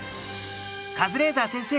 カズレーザー先生